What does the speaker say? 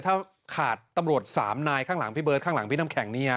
ถ้าขาดตำรวจสามนายข้างหลังพี่เบิร์ดข้างหลังพี่น้ำแข็งนี่ฮะ